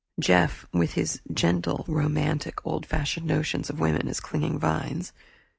Jeff, with his gentle romantic old fashioned notions of women as clinging vines.